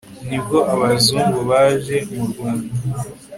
ni bwo abazungu baje mu rwanda